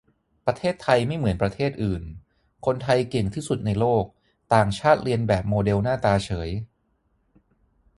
ประเทศไทยไม่เหมือนประเทศอื่น คนไทยเก่งที่สุดในโลก ต่างชาติเลียนแบบโมเดลหน้าตาเฉย